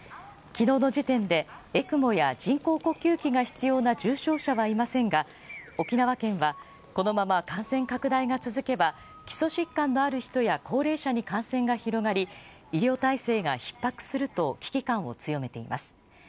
昨日の時点でＥＣＭＯや人工呼吸器が必要な重症者はいませんが沖縄県はこのまま感染拡大が続けば基礎疾患のある人や高齢者に感染が広がり医療体制がひっ迫すると危機感を強めています。